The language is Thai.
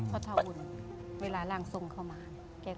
พ่อเท้าบุญเวลาล่างทรงเข้ามา